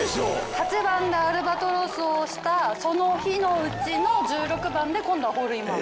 ８番でアルバトロスをしたその日のうちの１６番で今度はホールインワン。